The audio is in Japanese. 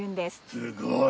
すごい。